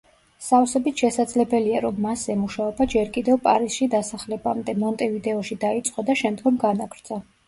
სავსებით შესაძლებელია, რომ მასზე მუშაობა ჯერ კიდევ პარიზში დასახლებამდე, მონტევიდეოში დაიწყო, და შემდგომ განაგრძო.